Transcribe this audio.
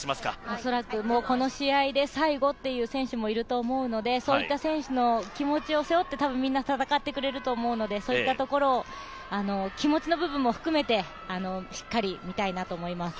恐らく、もうこの試合で最後っていう選手もいると思うのでそういった選手の気持ちを背負ってたぶんみんな戦ってくれると思うのでそういったところを気持ちの部分も含めて、しっかり見たいなと思います。